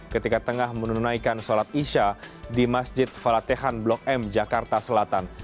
ketika tengah menunaikan sholat isya di masjid falatehan blok m jakarta selatan